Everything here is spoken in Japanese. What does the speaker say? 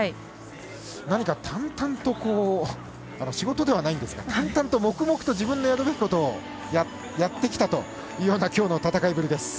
何か淡々と仕事ではないんですが淡々と、黙々と自分のやるべきことをやってきたというような今日の戦いぶりです。